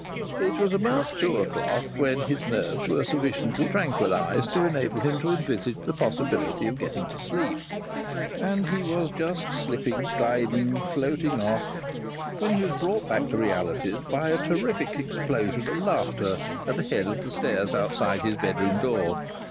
It was about two o'clock when his nerves were sufficiently tranquillized to enable him to envisage the possibility of going to sleep. And he was just slipping, gliding, floating off when he was brought back to realities by a terrific explosion of laughter at the head of the stairs outside his bedroom door.